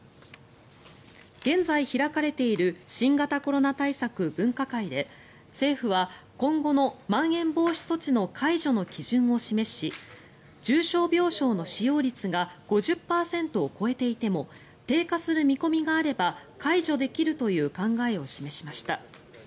現在開かれている新型コロナ対策分科会で政府は、今後のまん延防止措置の解除の基準を示し重症病床の使用率が５０％を超えていても低下する見込みがあれば解除できるという考えを示しました。